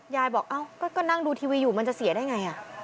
ยายบอกเอ้าก็นั่งดูทีวีอยู่มันจะเสียได้ไง